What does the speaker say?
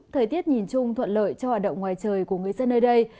thời tiết nhìn chung thuận lợi cho hoạt động ngoài trời của người dân nơi đây